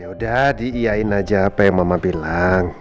yaudah diiyain aja apa yang mama bilang